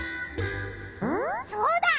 そうだ！